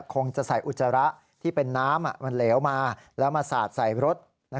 คงจะใส่อุจจาระที่เป็นน้ำมันเหลวมาแล้วมาสาดใส่รถ